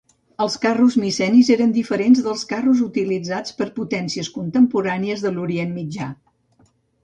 Els carros micènics eren diferents dels carros utilitzats per potències contemporànies de l'Orient Mitjà.